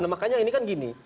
nah makanya ini kan gini